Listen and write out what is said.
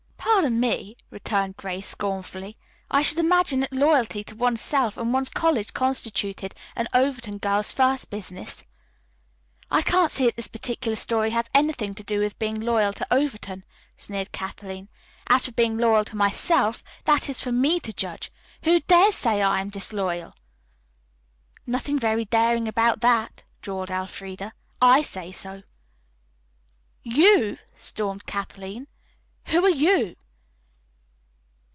"Pardon me," retorted Grace scornfully, "I should imagine that loyalty to one's self and one's college constituted an Overton girl's first business." "I can't see that this particular story has anything to do with being loyal to Overton," sneered Kathleen. "As for being loyal to myself, that is for me to judge. Who dares say I am disloyal?" "Nothing very daring about that," drawled Elfreda. "I say so." "You," stormed Kathleen. "Who are you?"